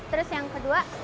terus yang kedua